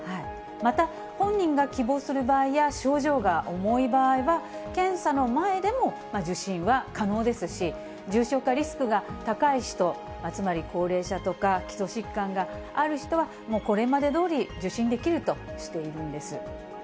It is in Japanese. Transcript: また、本人が希望する場合や、症状が重い場合は、検査の前でも受診は可能ですし、重症化リスクが高い人、つまり高齢者とか、基礎疾患がある人は、これまでどおり、受診できるとしているんです。